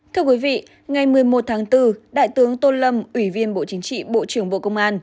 thưa quý vị ngày một mươi một tháng bốn đại tướng tô lâm ủy viên bộ chính trị bộ trưởng bộ công an